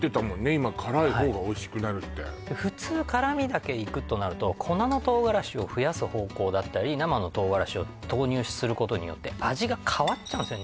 今辛いほうがおいしくなるってで普通辛味だけいくとなると粉の唐辛子を増やす方向だったり生の唐辛子を投入することによって味が変わっちゃうんですね